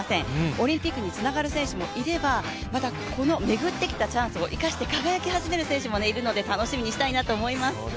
オリンピックにつながる選手もいれば、まだこの巡ってきたチャンスを生かして輝き始める選手もいるので楽しみにしたいと思います。